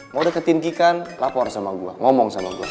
mau deketin kikan lapor sama gue ngomong sama gue